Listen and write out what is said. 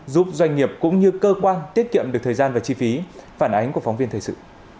giúp doanh nghiệp cũng như cơ quan tiết kiệm được thời gian và chi phí phản ánh của phóng viên thời sự